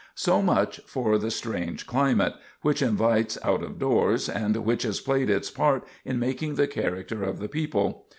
So much for the strange climate, which invites out of doors and which has played its part in making the character of the people.